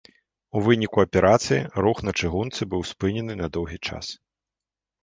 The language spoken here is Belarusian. У выніку аперацыі рух на чыгунцы быў спынены на доўгі час.